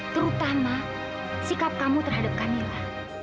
terutama sikap kamu terhadap kamil